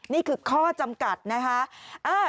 นี่คือข้อจำกัดนะคะ